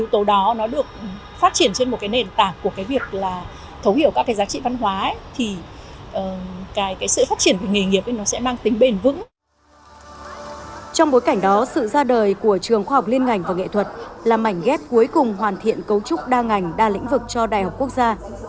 trong bối cảnh đó sự ra đời của trường khoa học liên ngành và nghệ thuật là mảnh ghép cuối cùng hoàn thiện cấu trúc đa ngành đa lĩnh vực cho đại học quốc gia